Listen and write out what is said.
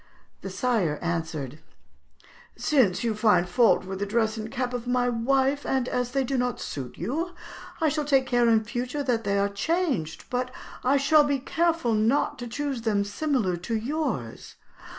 The Sire answered, 'Since you find fault with the dress and cap of my wife, and as they do not suit you, I shall take care in future that they are changed; but I shall be careful not to choose them similar to yours....